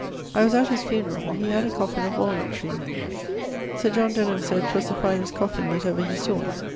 I was at his funerall. He had a coffin of walnutt tree; Sir John Denham sayd 'twas the finest coffin that ever he sawe.